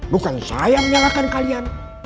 bukan saya menyalahkan kalian